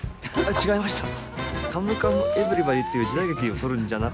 違いましたね。